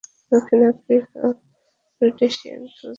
দক্ষিণ আফ্রিকা ও রোডেশিয়ায় খেলেছেন তিনি।